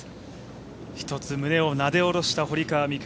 ひとつ胸をなでおろした堀川未来